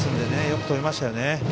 よく飛びましたよね。